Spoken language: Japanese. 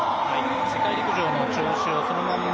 世界陸上の調子をそのまま